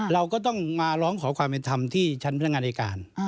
เราก็ต้องมาร้องขอความเป็นธรรมที่ชั้นพนักงานอายการ